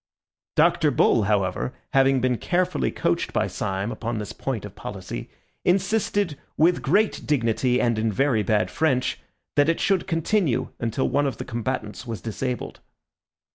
Dr. Bull, however, having been carefully coached by Syme upon this point of policy, insisted, with great dignity and in very bad French, that it should continue until one of the combatants was disabled.